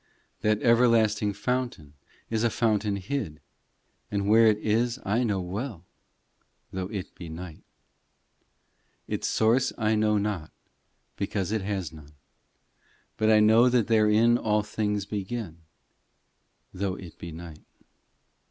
18 274 POEMS I That everlasting fountain is a fountain hid, And where it is I know well, Though it be night. ii Its source I know not, because it has none ; But I know that therein all things begin, Though it be night.